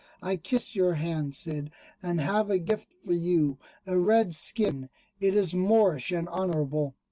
I kiss your hand, Cid, and have a gift for you, a red skin; it is Moorish and honourable."